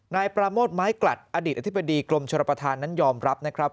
นายปราโมทไม้กลัดอดีตอธิบดีกรมชลประธานนั้นยอมรับนะครับ